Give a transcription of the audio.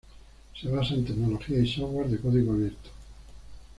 Se basa en tecnologías y software de código abierto.